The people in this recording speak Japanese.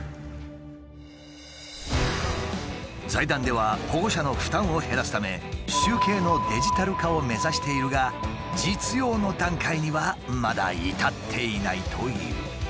財団では保護者の負担を減らすため集計のデジタル化を目指しているが実用の段階にはまだ至っていないという。